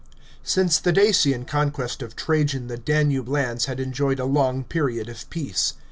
Since the Dacian conquest of Trajan the Danube lands had enjoyed a long period of peace.